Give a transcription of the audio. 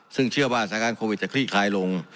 ซึ่งเชื่อว่าสถานการณ์โควิดจะคลี่คลายลง